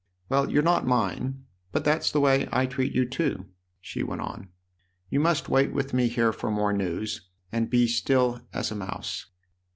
Well, you're not mine ; but that's the way I treat you too," she went on. " You must wait with me here for more news, and be as still as a mouse."